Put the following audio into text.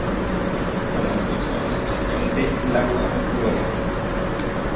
Con la actuación especial de Laura Flores.